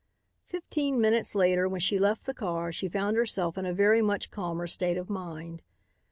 Fifteen minutes later when she left the car she found herself in a very much calmer state of mind.